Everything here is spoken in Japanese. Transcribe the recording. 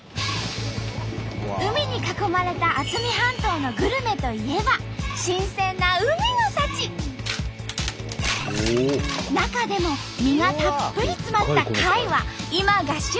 海に囲まれた渥美半島のグルメといえば新鮮な中でも身がたっぷり詰まった貝は今が旬！